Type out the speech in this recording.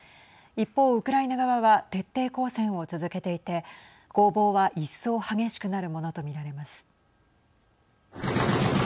一方、ウクライナ側は徹底抗戦を続けていて攻防は一層激しくなるものと見られます。